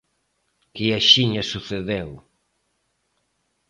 Que axiña sucedeu!